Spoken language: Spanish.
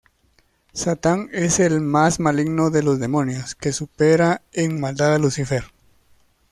Satán es el más maligno de los demonios, que supera en maldad a Lucifer.